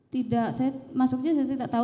tidak saya masuknya saya tidak tahu